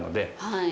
はい。